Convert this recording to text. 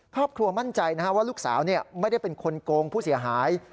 ครอบครัวมั่นใจว่าลูกสาวไม่ได้เป็นคนโกงผู้เสียหาย